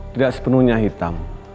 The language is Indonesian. tidak sepenuhnya hitam